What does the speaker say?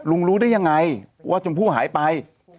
รู้ได้ยังไงว่าชมพู่หายไป